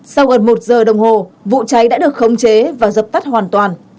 sau gần một giờ đồng hồ vụ cháy đã được khống chế và dập tắt hoàn toàn